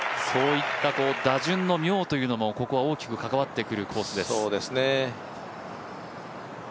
そういった打順の妙というのも、ここは大きく関わってくるコースです。